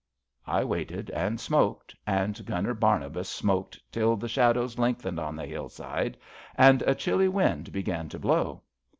I waited and smoked, and Gunner Barnabas smoked till the shadows lengthened on the hillside, and a chilly wind began to blow.